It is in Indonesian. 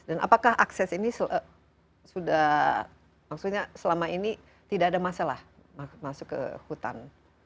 dan apakah akses ini sudah maksudnya selama ini tidak ada masalah masuk ke hutan